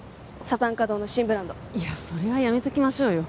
山茶花堂の新ブランドいやそれはやめときましょうよ